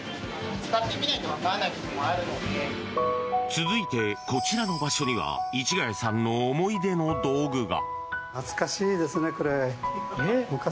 続いて、こちらの場所には市ヶ谷さんの思い出の道具が。